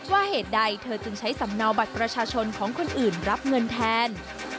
เหตุใดเธอจึงใช้สำเนาบัตรประชาชนของคนอื่นรับเงินแทน